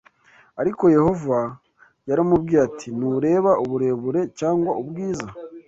Ariko Yehova yaramubwiye ati nturebe uburebure cyangwa ubwiza